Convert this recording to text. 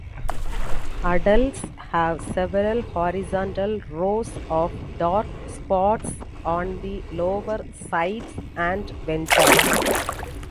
Adults have several horizontal rows of dark spots on the lower sides and venter.